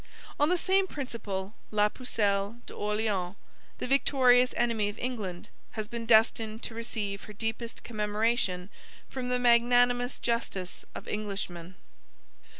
On the same principle, La Pucelle d'Orleans, the victorious enemy of England, has been destined to receive her deepest commemoration from the magnanimous justice of Englishmen.